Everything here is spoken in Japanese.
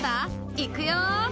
いくよ！